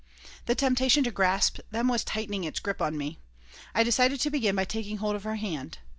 The temptation to grasp them was tightening its grip on me. I decided to begin by taking hold of her hand.